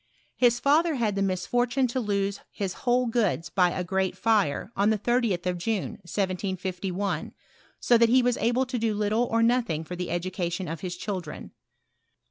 His father bad the mislbrttine to lose his whole goods by a great fire, on the 30th of June, 1751, so that he was able to do little or nothing for the education of bis children.